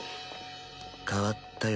変わったよ